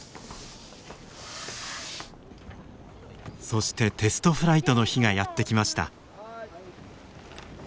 そしてテストフライトの日がやって来ました。